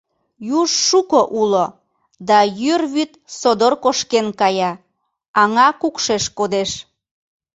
Юж шуко уло, да йӱр вӱд содор кошкен кая — аҥа кукшеш кодеш.